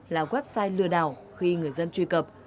là website lừa đảo khi người dân truy cập